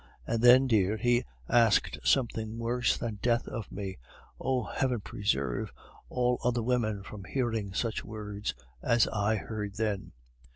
"And then, dear, he asked something worse than death of me. Oh! heaven preserve all other women from hearing such words as I heard then!"